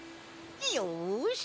よし！